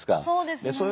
そうですね。